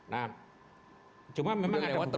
nah cuma memang ada beberapa hal